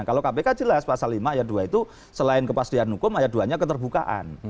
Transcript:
kalau kpk jelas pasal lima ayat dua itu selain kepastian hukum ayat dua nya keterbukaan